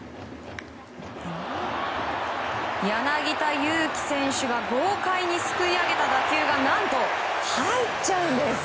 柳田悠岐選手が豪快にすくい上げた打球が何と入っちゃうんです！